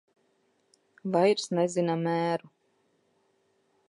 Vairs nezina mēru.